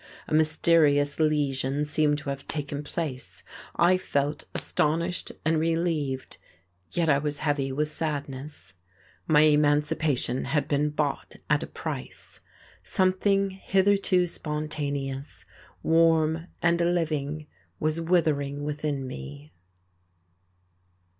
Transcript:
A mysterious lesion seemed to have taken place, I felt astonished and relieved, yet I was heavy with sadness. My emancipation had been bought at a price. Something hitherto spontaneous, warm and living was withering within me.